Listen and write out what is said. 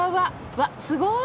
わっすごい！